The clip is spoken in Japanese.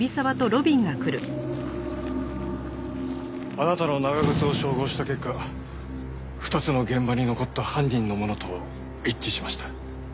あなたの長靴を照合した結果２つの現場に残った犯人のものと一致しました。